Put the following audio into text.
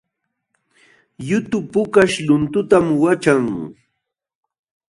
Yutu pukaśh luntutam waćhan